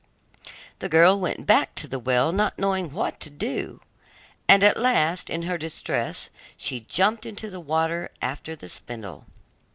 The girl went back to the well not knowing what to do, and at last in her distress she jumped into the water after the spindle.